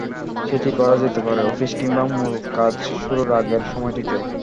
সেটি করা যেতে পারে অফিস কিংবা মূল কাজ শুরুর আগের সময়টিতে।